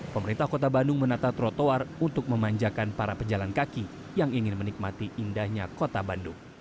pemerintah kota bandung menata trotoar untuk memanjakan para pejalan kaki yang ingin menikmati indahnya kota bandung